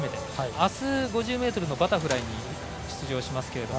あす、５０ｍのバタフライに出場しますけれども。